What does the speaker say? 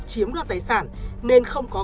chiếm đoạt tài sản nên không có